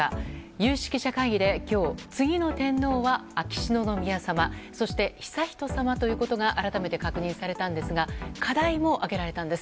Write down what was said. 有識者会議で今日、次の天皇は秋篠宮さまそして悠仁さまということが改めて確認されたんですが課題も挙げられたんです。